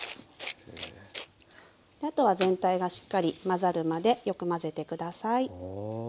あとは全体がしっかり混ざるまでよく混ぜて下さい。